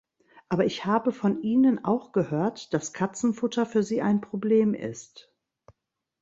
Aber ich habe von Ihnen auch gehört, dass Katzenfutter für Sie ein Problem ist.